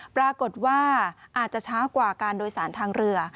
ปรากฏว่าอาจจะช้ากว่าการโดยสารทางเรือ